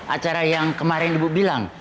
acara yang kemarin ibu bilang